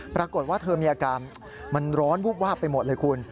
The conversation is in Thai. ปรากฏว่าเธอมีอาการมันร้อนวูบวาบไปหมดเลยคุณ